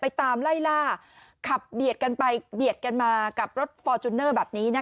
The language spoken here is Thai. ไปตามไล่ล่าขับเบียดกันมากับรถฟอร์จุนเนอร์แบบนี้